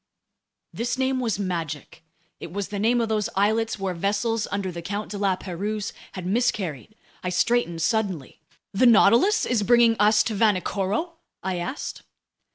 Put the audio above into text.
This name was magic! It was the name of those islets where vessels under the Count de La Pérouse had miscarried. I straightened suddenly. "The Nautilus is bringing us to Vanikoro?" I asked.